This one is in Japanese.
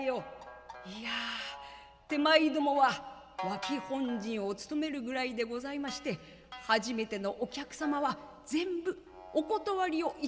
「いや手前どもは脇本陣を務めるぐらいでございまして初めてのお客様は全部お断りをいたしております。